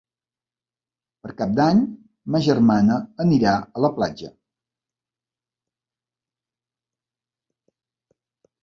Per Cap d'Any ma germana anirà a la platja.